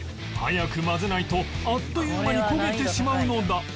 早く混ぜないとあっという間に焦げてしまうのだ